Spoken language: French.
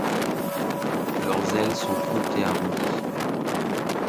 Leurs ailes sont courtes et arrondies.